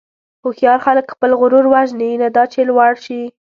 هوښیار خلک خپل غرور وژني، نه دا چې لوړ شي.